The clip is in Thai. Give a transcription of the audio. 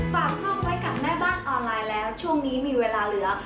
ฝากห้องไว้กับแม่บ้านออนไลน์แล้วช่วงนี้มีเวลาเหลือ